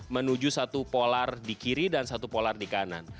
menuju satu polar di kiri dan satu polar di kanan